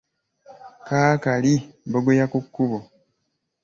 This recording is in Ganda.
Kaakali, bbogoya ku kkubo.